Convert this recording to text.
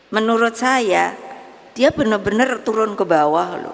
menurut saya dia benar benar turun ke bawah loh